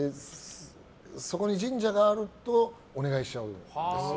そこに神社があるとお願いしちゃう。